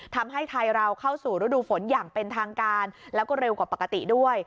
ทำให้ไทยเราเข้าสู่ฤดูฝนอย่างเป็นทางการแล้วก็เร็วกว่าปกติด้วย